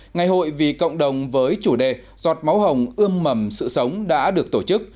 ngày hội vì cộng đồng với chủ đề giọt máu hồng ươm mầm sự sống đã được tổ chức